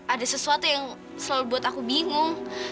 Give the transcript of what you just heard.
ada sesuatu yang selalu buat aku bingung